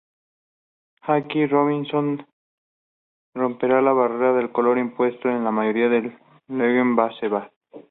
Jackie Robinson rompería la barrera del color impuesta en la Major League Baseball.